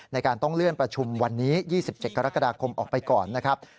ในการต้องเลื่อนประชุมวันนี้๒๗กรกฎาคมออกไปก่อนนะครับ